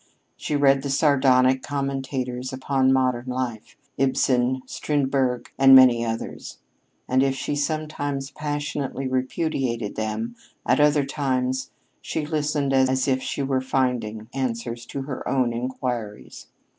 She read the sardonic commentators upon modern life Ibsen, Strindberg, and many others; and if she sometimes passionately repudiated them, at other times she listened as if she were finding the answers to her own inquiries.